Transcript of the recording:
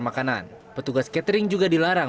makanan petugas catering juga dilarang